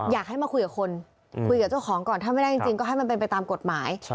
อยากให้มาคุยกับคนคุยกับเจ้าของก่อนถ้าไม่ได้จริงก็ให้มันเป็นไปตามกฎหมาย